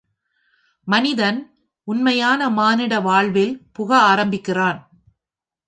மனிதன் உண்மையான மானிட வாழ்வில் புக ஆரம்பிக்கிறான்.